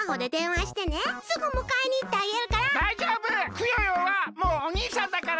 クヨヨはもうおにいさんだから！